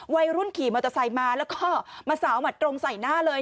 วัยรุ่นขี่มอเตอร์ไซค์มาแล้วก็มาสาวหมัดตรงใส่หน้าเลย